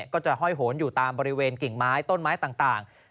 ก็จะห้อยโหนอยู่ตามบริเวณกิ่งไม้ต้นไม้ต่าง